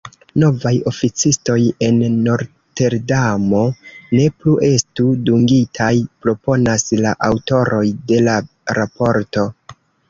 Novaj oficistoj en Roterdamo ne plu estu dungitaj, proponas la aŭtoroj de la raporto.